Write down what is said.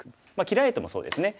切られてもそうですね。